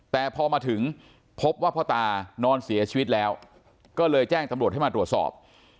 แต่พอมาถึงพบว่าพ่อตานอนเสียชีวิตแล้วก็เลยแจ้งตำรวจให้มาตรวจสอบ